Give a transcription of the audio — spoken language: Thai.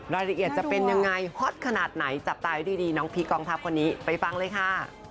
รายละเอียดจะเป็นยังไงฮอตขนาดไหนจับตาให้ดีน้องพีคกองทัพคนนี้ไปฟังเลยค่ะ